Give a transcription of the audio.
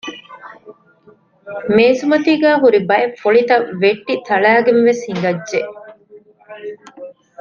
މޭޒުމަތީގައި ހުރި ބައެއް ފުޅިތައް ވެއްޓި ތަޅައިގެން ވެސް ހިނގައްޖެ